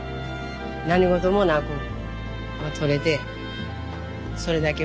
何事もなく取れてそれだけを祈ります。